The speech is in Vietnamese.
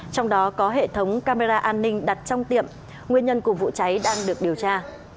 trong đó có hệ thống camera an ninh đặt trong tiệm nguyên nhân của vụ cháy đang được điều tra